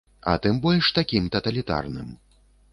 А тым больш такім таталітарным.